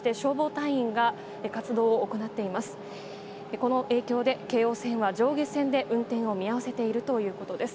この影響で、京王線は上下線で運転を見合わせているということです。